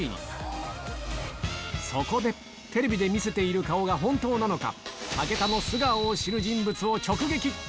そこでテレビで見せている顔が本当なのか？